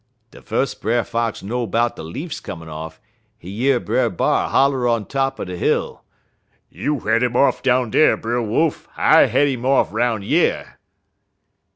"De fus' Brer Fox know 'bout de leafs comin' off, he year Brer B'ar holler on top er de hill: "'You head 'im off down dar, Brer Wolf, en I'll head 'im off 'roun' yer!'